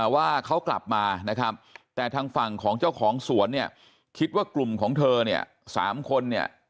ว่าเขากลับมานะครับแต่ทางฝั่งของเจ้าของสวนเนี่ยคิดว่ากลุ่มของเธอเนี่ย๓คนเนี่ย